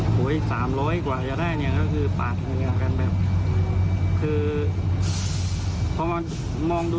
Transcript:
สามร้อยกว่าจะได้ก็คือปากด้วยกันน่ะ